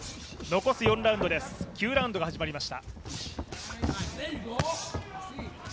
残す４ラウンドです、９ラウンドが始まりました。